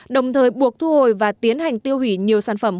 đồng thời buộc thu hồi và tiến hành tiêu hủy nhiều sản phẩm